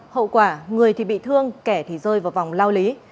hậu quả người thì bị thương kẻ thì rơi vào vòng lao lý